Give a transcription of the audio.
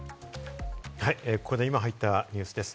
ここで今、入ったニュースです。